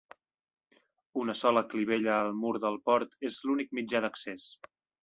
Una sola clivella al mur del port és l'únic mitjà d'accés.